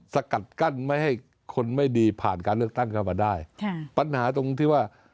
สกัดกั้นไม่ให้คนไม่ดีผ่านการเลือกตั้งเข้ามาได้ค่ะปัญหาตรงที่ว่า